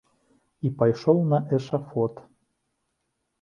І пайшоў на эшафот.